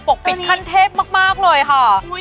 ปลกปิดทางเด็ดมากเลยค่ะตัวนี้